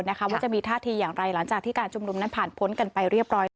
ว่าจะมีท่าทีอย่างไรหลังจากที่การชุมนุมนั้นผ่านพ้นกันไปเรียบร้อยแล้ว